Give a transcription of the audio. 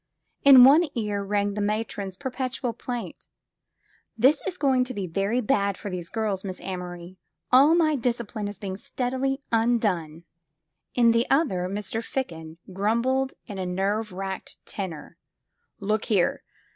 In one ear rang the matron's perpetual plaint: This is going to be very bad for these girla, Miss Amory. All my discipline is being steadily undone!" 193 SQUARE PEGGY In the other, Mr. Ficken grumbled in a nerve racked tenor: "Look here